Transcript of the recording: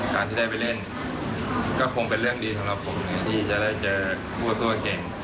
การที่ได้ไปเล่นก็คงเป็นเรื่องดีสำหรับผมที่จะได้เจอคู่ตัวเก่ง